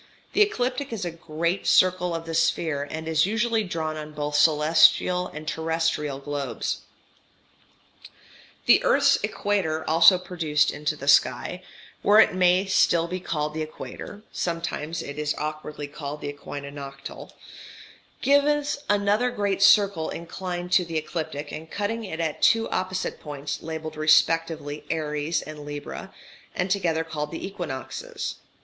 The ecliptic is a great circle of the sphere, and is usually drawn on both celestial and terrestrial globes. The earth's equator also produced into the sky, where it may still be called the equator (sometimes it is awkwardly called "the equinoctial"), gives another great circle inclined to the ecliptic and cutting it at two opposite points, labelled respectively [Aries symbol] and [Libra symbol], and together called "the equinoxes."